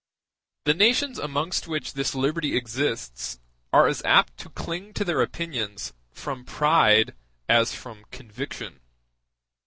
The nations amongst which this liberty exists are as apt to cling to their opinions from pride as from conviction.